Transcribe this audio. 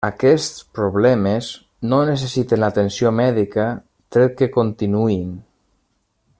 Aquests problemes no necessiten l'atenció mèdica tret que continuïn.